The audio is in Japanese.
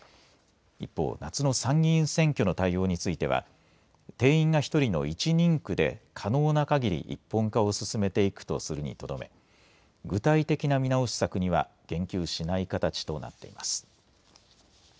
一方、夏の参議院選挙の対応については定員が１人の１人区で可能なかぎり一本化を進めていくとするにとどめ具体的な見直し策には言及しない形となっています。